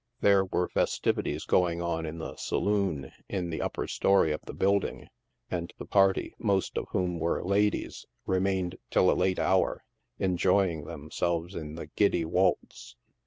There were festivities going on in the saloon in the upper story of the building, and the party, most of whom were ladies, remained till a late hour, enjoying themselves in the " giddy waltz."